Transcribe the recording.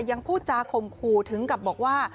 ยังพูดจาข่มขู่ถึงกับบอกว่า